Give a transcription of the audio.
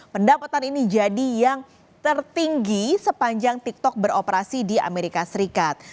pendapatan ini jadi yang tertinggi sepanjang tiktok beroperasi di amerika serikat